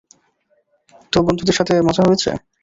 তো, বন্ধুদের সাথে মজা হয়েছে?